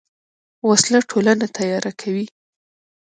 وسله ټولنه تیاره کوي